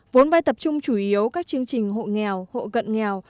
vốn vay tập trung chủ yếu các chương trình hộ nghèo hộ gận nghèo